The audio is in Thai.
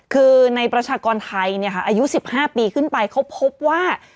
คือในประชากรไทยอายุ๑๕ปีขึ้นไปเขาพบว่า